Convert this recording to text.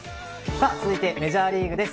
続いてメジャーリーグです。